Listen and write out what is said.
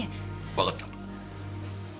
わかった。